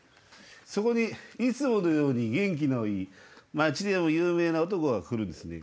そこにいつものように元気のいい町でも有名な男が来るんですね。